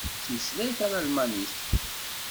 Tettmeslay talmanit.